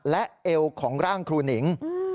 และเอวของร่างครูหนิง